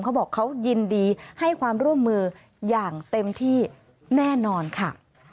เขาบอกเขายินดีให้ความร่วมมืออย่างเต็มที่แน่นอนค่ะ